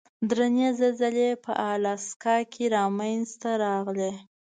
درنې زلزلې په الاسکا کې منځته راغلې.